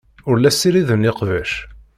Ur la ssiriden iqbac.